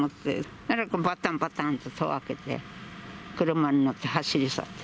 そしたらばったんばったんとドアを開けて、車に乗って走り去って。